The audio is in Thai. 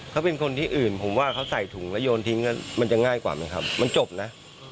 เขาเป็นคนที่อื่นผมว่าเขาใส่ถุงแล้วโยนทิ้งมันจะง่ายกว่าไหมครับมันจบนะ